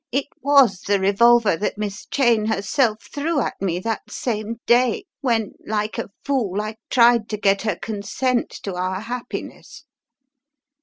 It was the revolver that Miss Cheyne herself threw at me that same day when, like a fool, I tried to get her consent to our happiness.